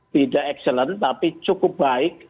tidak excellent tapi cukup baik